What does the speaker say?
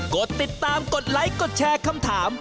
กดติดตามกดไลค์กดแชร์คำถาม